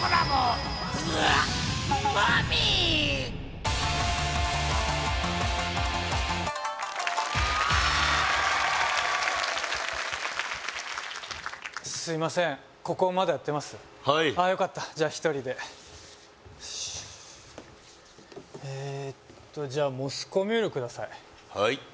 はいああよかったじゃ１人でえっとじゃモスコミュールください